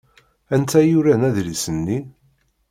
Anta i yuran adlis-nni?